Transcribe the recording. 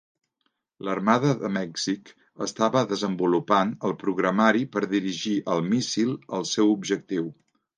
L'Armada de Mèxic estava desenvolupant el programari per dirigir el míssil al seu objectiu.